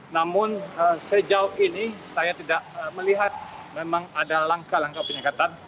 namun sejauh ini saya tidak melihat memang ada langkah langkah penyekatan